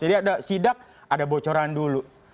jadi ada sidak ada bocoran dulu